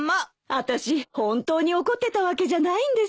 あたし本当に怒ってたわけじゃないんです。